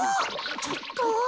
ちょっと。